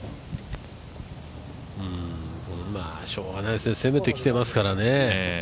まあしようがないですね、攻めてきてますからね。